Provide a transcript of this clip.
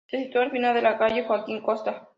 Se sitúa al final de la calle Joaquín Costa.